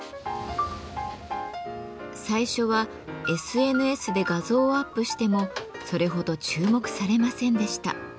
最初はＳＮＳで画像をアップしてもそれほど注目されませんでした。